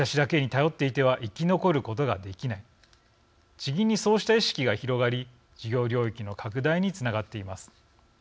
地銀にそうした意識が広がり事業領域の拡大につながっています。